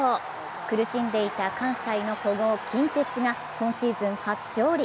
苦しんでいた関西の古豪・近鉄が今シーズン初勝利。